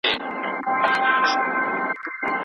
زه هر ماسپښين خپل امامت ته ځم.